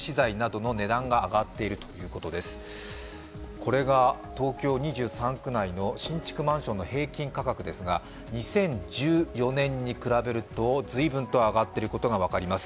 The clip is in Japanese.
これが東京２３区内の新築マンションの平均価格ですが２０１４年に比べるとずいぶんと上がっていることが分かります。